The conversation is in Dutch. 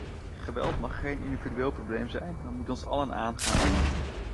Geweld mag geen individueel probleem zijn, maar moet ons allen aangaan.